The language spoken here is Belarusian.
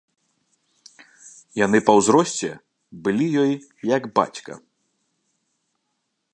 Яны па ўзросце былі ёй як бацька.